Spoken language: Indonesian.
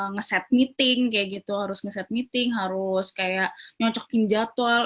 nge set meeting kayak gitu harus nge set meeting harus kayak nyocokin jadwal